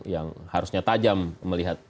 yang harusnya tajam melihat